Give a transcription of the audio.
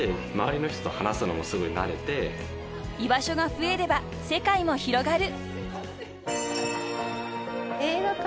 ［居場所が増えれば世界も広がる］